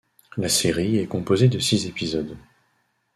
La série est composée de six épisodes.